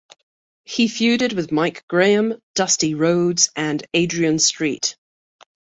He feuded with Mike Graham, Dusty Rhodes, and Adrian Street.